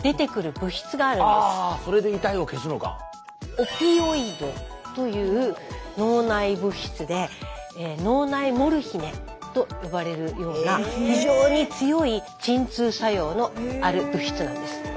「オピオイド」という脳内物質で脳内モルヒネと呼ばれるような非常に強い鎮痛作用のある物質なんです。